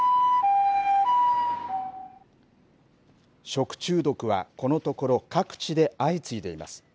食中毒はこのところ各地で相次いでいます。